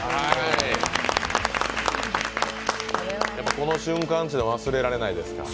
この瞬間というのは忘れられないですか。